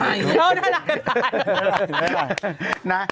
เหมั่นดั่งความตาย